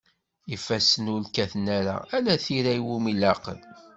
Ifassen ur kkaten ara, ala tira iwumi laqen.